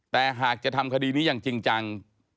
แต่หากจะทำคดีนี้อย่างจริงจัง